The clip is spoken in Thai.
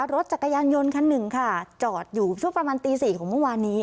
รถจักรยานยนต์คันหนึ่งค่ะจอดอยู่ช่วงประมาณตี๔ของเมื่อวานนี้